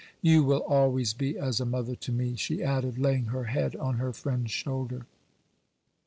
You will always be as a mother to me,' she added, laying her head on her friend's shoulder.